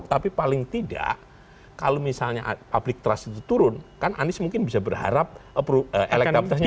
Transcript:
tapi paling tidak kalau misalnya public trust itu turun kan anies mungkin bisa berharap elektabilitasnya